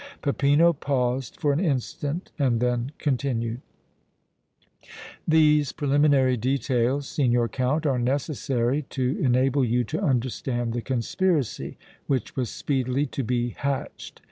Peppino paused for an instant and then continued: "These preliminary details, Signor Count, are necessary to enable you to understand the conspiracy which was speedily to be hatched.